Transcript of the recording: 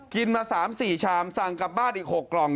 มา๓๔ชามสั่งกลับบ้านอีก๖กล่อง